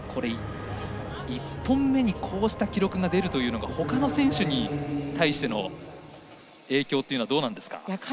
１本目にこうした記録が出るというのはほかの選手に対しての影響はどうなんですか？